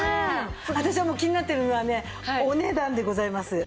私が気になってるのはねお値段でございます。